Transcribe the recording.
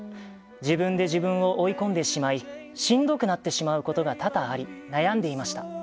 自分で自分を追い込んでしまいしんどくなってしまうことが多々あり、悩んでいました。